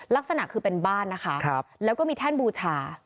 ลักษณะคือเป็นบ้านนะคะแล้วก็มีแท่นบูชา